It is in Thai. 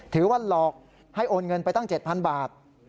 ถือว่าหลอกให้โอนเงินไปตั้ง๗๐๐๐บาท